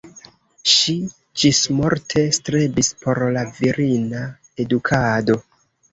Ŝi ĝismorte strebis por la virina edukado.